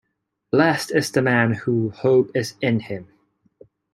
Blessed is the man whose hope is in him!